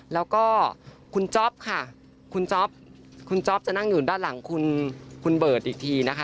แล้วก็คุณจ๊อปค่ะคุณจ๊อปคุณจ๊อปจะนั่งอยู่ด้านหลังคุณเบิร์ตอีกทีนะคะ